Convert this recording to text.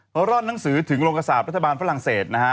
เพราะรอดหนังสือถึงโรงกษาบรัฐบาลฝรั่งเศสนะฮะ